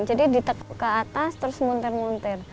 jadi ditek ke atas terus munter munter